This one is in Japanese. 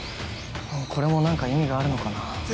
これも何か意味があるのかな？